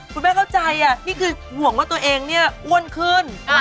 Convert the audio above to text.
คุณแม่เข้าใจนี่คือห่วงว่าตัวเองเนี่ยอ้วนขึ้น